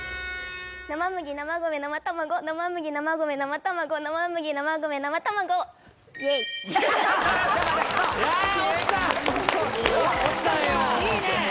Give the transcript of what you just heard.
生麦生米生卵生麦生米生卵生麦生米生卵オチたよいいね